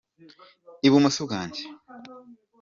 ibumoso bwanjye.